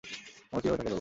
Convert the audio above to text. আমরা কিভাবে তাকে ধরবো?